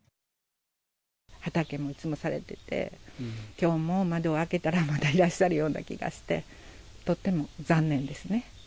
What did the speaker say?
畑もいつもされてて、きょうも窓を開けたらまだいらっしゃるような気がして、とっても残念ですね。